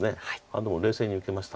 でも冷静に受けました？